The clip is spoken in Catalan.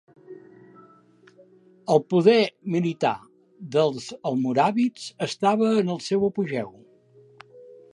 El poder militar dels almoràvits estava en el seu apogeu.